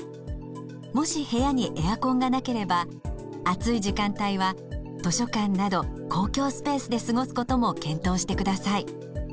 もし部屋にエアコンがなければ暑い時間帯は図書館など公共スペースで過ごすことも検討してください。